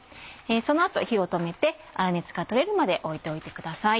その後火を止めて粗熱が取れるまで置いておいてください。